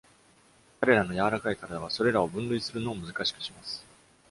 彼らの柔らかい体はそれらを分類するのを難しくします。